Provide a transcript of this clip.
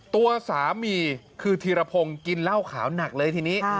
ตัวสามีคือธีรพงศ์กินเหล้าขาวหนักเลยทีนี้